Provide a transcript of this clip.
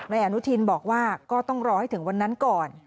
อนุทินบอกว่าก็ต้องรอให้ถึงวันนั้นก่อน